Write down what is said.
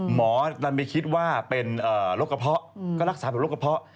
หมอดันไปคิดว่าเป็นโรคกระเพาะก็รักษาแบบโรคกระเพาะ